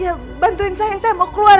ya bantuin saya saya mau keluar